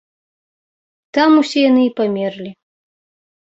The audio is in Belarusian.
Там усе яны і памерлі.